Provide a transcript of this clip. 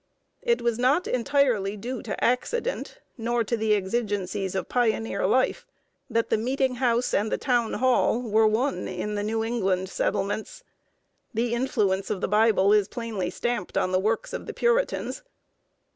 It was not entirely due to accident nor to the exigencies of pioneer life that the meeting house and the town hall were one in the New England settlements. The influence of the Bible is plainly stamped on the works of the Puritans.